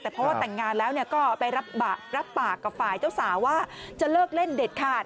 แต่เพราะว่าแต่งงานแล้วก็ไปรับปากกับฝ่ายเจ้าสาวว่าจะเลิกเล่นเด็ดขาด